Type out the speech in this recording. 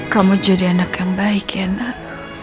kamu jadi anak yang baik ya nak